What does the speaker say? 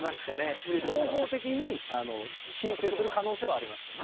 合法的に申請する可能性はありますよね。